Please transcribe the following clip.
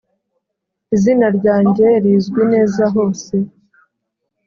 izina ryange rizwi neza hose.